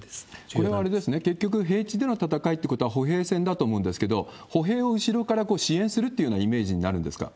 これはあれですね、結局、平地での戦いということは歩兵戦だと思うんですけど、歩兵を後ろから支援するというようなイメージになるんですか？